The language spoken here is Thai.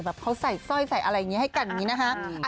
แบบเขาใส่สร้อยใส่อะไรให้กันอย่างนี้นะฮะ